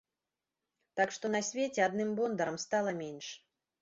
Так што на свеце адным бондарам стала менш.